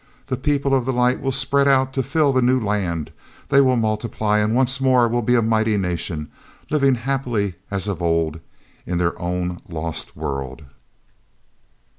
The People of the Light will spread out to fill the new land; they will multiply, and once more will be a mighty nation, living happily as of old in their own lost world.